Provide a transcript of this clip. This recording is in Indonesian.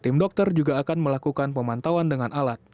tim dokter juga akan melakukan pemantauan dengan alat